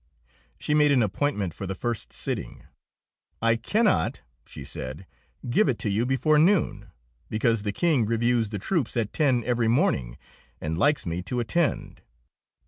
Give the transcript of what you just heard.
She made an appointment for the first sitting. "I cannot," she said, "give it to you before noon, because the King reviews the troops at ten every morning and likes me to attend."